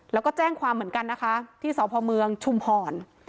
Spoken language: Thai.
แล้วก็แจ้งความเหมือนกันนะคะที่สพเมืองชุมพร